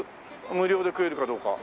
無料で食えるかどうか。